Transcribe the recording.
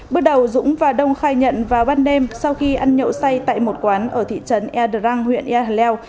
bước đầu dũng và đông khai nhận vào ban đêm sau khi ăn nhậu say tại một quán ở thị trấn ea drang huyện ia hèn leo